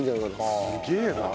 すげえな。